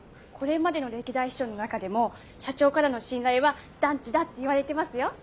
これまでの歴代秘書の中でも社長からの信頼はダンチだっていわれてますよ。